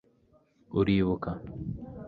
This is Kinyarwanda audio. uribuka